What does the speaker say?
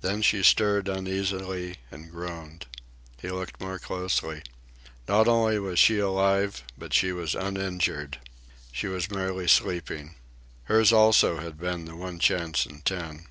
Then she stirred uneasily, and groaned. He looked more closely. Not only was she alive, but she was uninjured. She was merely sleeping. Hers also had been the one chance in ten.